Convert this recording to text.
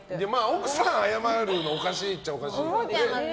奥さんが謝るのおかしいっちゃおかしいですよね。